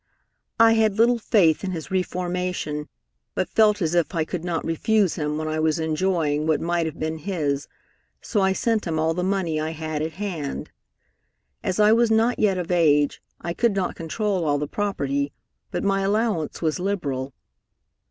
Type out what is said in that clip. "I had little faith in his reformation, but felt as if I could not refuse him when I was enjoying what might have been his, so I sent him all the money I had at hand. As I was not yet of age, I could not control all the property, but my allowance was liberal.